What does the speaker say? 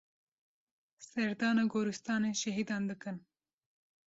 Serdana goristanên şehîdan dikin.